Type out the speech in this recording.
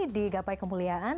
di gapai kemuliaan